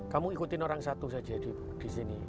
kamu ikutin orang satu saja di sini